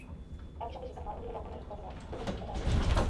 একই সঙ্গে সেখানে মানবাধিকার লঙ্ঘনের ঘটনার প্রকাশ্য নিন্দা জানাতে বলা হয়েছে।